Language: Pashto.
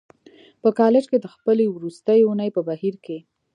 په کالج کې د خپلې وروستۍ اونۍ په بهیر کې